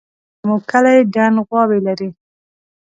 زموږ کلی دڼ غواوې لري